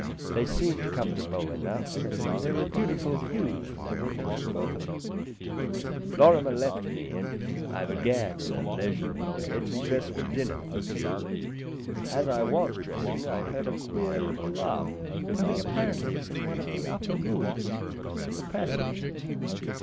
They seemed comfortable enough, and there were beautiful views from the windows of both of them. Lorrimer left me, and I began, in a leisurely way, to dress for dinner. As I was dressing I heard a queer little laugh coming apparently from one of the upper rooms, in the passage.